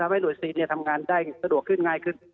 ให้หน่วยซีนทำงานได้สะดวกขึ้นง่ายขึ้น